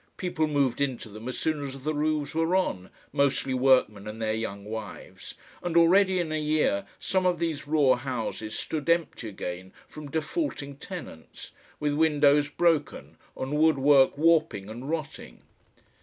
People moved into them as soon as the roofs were on, mostly workmen and their young wives, and already in a year some of these raw houses stood empty again from defaulting tenants, with windows broken and wood work warping and rotting.